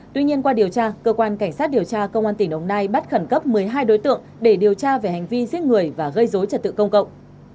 tuy nhiên qua điều tra cơ quan cảnh sát điều tra công an tỉnh đồng nai bắt khẩn cấp một mươi hai đối tượng để điều tra về hành vi giết người và gây dối trật tự công cộng